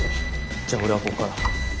じゃあ俺はここから。